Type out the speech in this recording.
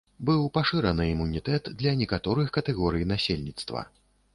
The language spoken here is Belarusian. Быў пашыраны імунітэт для некаторых катэгорый насельніцтва.